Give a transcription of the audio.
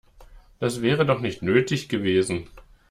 Das wäre doch nicht nötig gewesen.